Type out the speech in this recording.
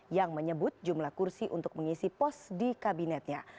yang menyebut jumlah kursi untuk mengisi pos di kabinetnya